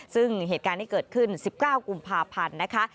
ซึ่งเหตุการณ์ที่เกิดขึ้น๑๙กุมภาพันธ์นะคะ